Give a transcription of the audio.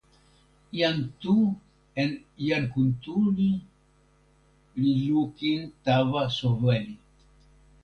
jan Tu en jan Kuntuli li lukin tawa soweli.